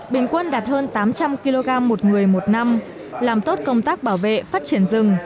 bình quân đạt hơn tám trăm linh kg một người một năm làm tốt công tác bảo vệ phát triển rừng